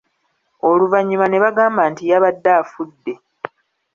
Oluvannyuma ne bagamba nti yabadde afudde!